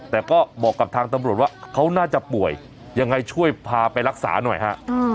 แต่ก็บอกกับทางตำรวจว่าเขาน่าจะป่วยยังไงช่วยพาไปรักษาหน่อยฮะ